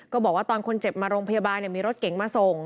บอกว่าตอนคนเจ็บมาโรงพยาบาลมีรถเก๋งมาส่ง